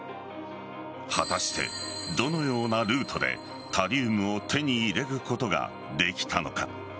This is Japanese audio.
果たしてどのようなルートでタリウムを手に入れることができたのか。